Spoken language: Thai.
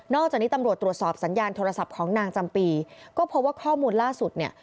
จากนี้ตำรวจตรวจสอบสัญญาณโทรศัพท์ของนางจำปีก็พบว่าข้อมูลล่าสุดเนี่ย